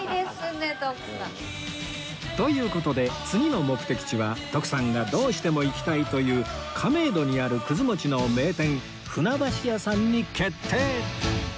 という事で次の目的地は徳さんがどうしても行きたいという亀戸にあるくず餅の名店船橋屋さんに決定！